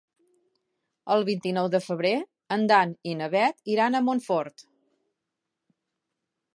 El vint-i-nou de febrer en Dan i na Bet iran a Montfort.